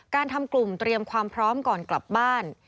การทำกลุ่มเตรียมความพร้อมก่อนกลับบ้าน